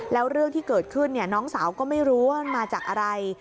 แล้วเรื่องที่เกิดขึ้นน้องสาวก็ไม่รู้ว่ามันมาจากอะไร